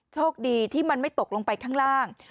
โชคดีที่มันไม่ตกลงไปข้างล่าง